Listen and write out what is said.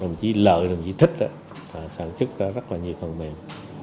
đồng chí lợi đồng chí thích sản xuất ra rất là nhiều phần mềm